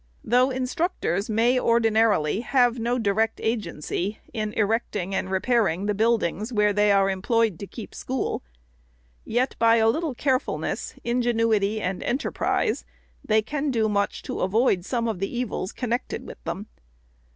" Though Instructors may, ordinarily, have no direct agency in erecting and repairing the buildings where they are employed to keep school, yet by a little carefulness, ingenuity, and enterprise, they can do much to avoid some of the evils connected with them.